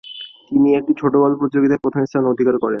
তিনি একটি ছোটোগল্প প্রতিযোগিতায় প্রথম স্থান অধিকার করেন।